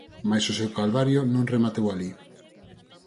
Mais o seu calvario non rematou alí.